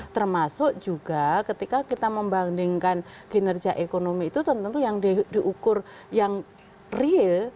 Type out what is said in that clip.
termasuk juga ketika kita membandingkan kinerja ekonomi itu tentu yang diukur yang real